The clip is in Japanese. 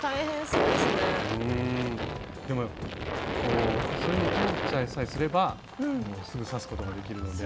うんでもそれに通っちゃいさえすればすぐ刺すことができるので。